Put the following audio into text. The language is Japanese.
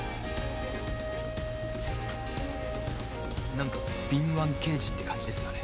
何か「敏腕刑事」って感じですよね。